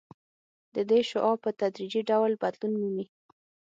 د دې شعاع په تدریجي ډول بدلون مومي